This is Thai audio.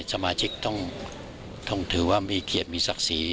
สมาชิกต้องถือว่ามีเกียรติมีศักดิ์ศรี